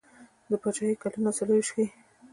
د پاچهي کلونه څلیرویشت ښيي.